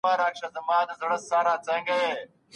ستونزي د ژوند د ازموینې ځای دی.